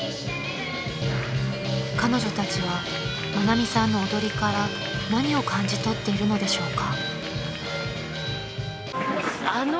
［彼女たちは愛美さんの踊りから何を感じ取っているのでしょうか？］